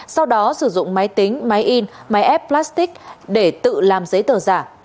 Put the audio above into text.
sau đó sử dụng máy tính máy in máy ép plastic để tự làm giấy tờ giả